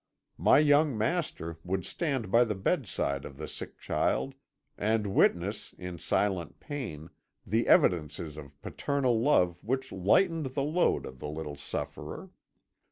My young master would stand by the bedside of the sick child, and witness, in silent pain, the evidences of paternal love which lightened the load of the little sufferer.